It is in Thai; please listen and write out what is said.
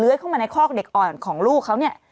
เข้ามาในคอกเด็กอ่อนของลูกเขาเนี่ย